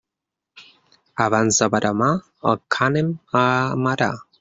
Abans de veremar, el cànem a amarar.